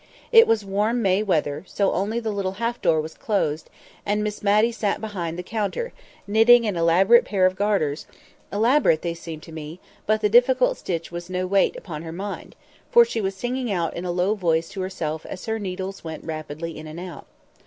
It was warm May weather, so only the little half door was closed; and Miss Matty sat behind the counter, knitting an elaborate pair of garters; elaborate they seemed to me, but the difficult stitch was no weight upon her mind, for she was singing in a low voice to herself as her needles went rapidly in and out.